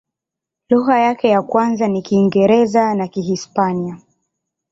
Lugha yake ya kwanza ni Kiingereza na Kihispania.